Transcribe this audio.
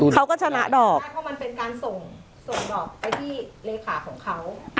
เขาก็ชนะดอกใช่เพราะมันเป็นการส่งส่งดอกไปที่เลขาของเขา